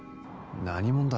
何者だ？